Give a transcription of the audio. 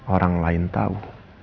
orang lain tahu